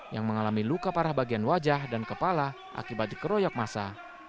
yang mengalami luka parah bagian wajah dan kepala akibat dikeroyok masa